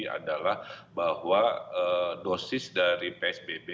adalah bahwa dosis dari psbb